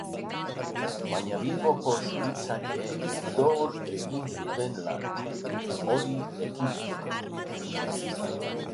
Baina Bilboko suhiltzaileek gogor egin zuten lan, hori ekiditeko.